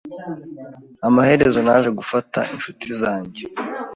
Amaherezo, naje gufata inshuti zanjye.